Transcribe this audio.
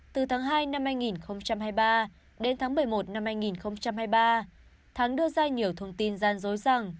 từ tháng hai năm hai nghìn hai mươi ba đến tháng một mươi một năm hai nghìn hai mươi ba thắng đưa ra nhiều thông tin gian dối rằng